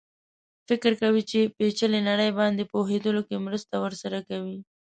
فکر کوي چې پېچلې نړۍ باندې پوهېدلو کې مرسته ورسره کوي.